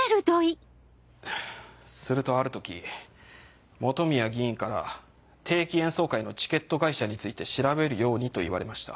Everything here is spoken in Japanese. するとある時本宮議員から定期演奏会のチケット会社について調べるようにと言われました。